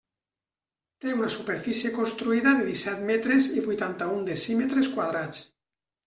Té una superfície construïda de disset metres i vuitanta-un decímetres quadrats.